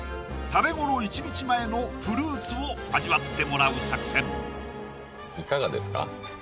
食べ頃１日前のフルーツを味わってもらう作戦いかがですか？